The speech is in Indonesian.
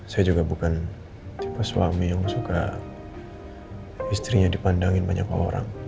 saya juga bukan suami yang suka istrinya dipandangin banyak orang